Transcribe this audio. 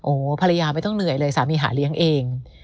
โอ้โหภรรยาไม่ต้องเหนื่อยเลยสามีหาเลี้ยงเอง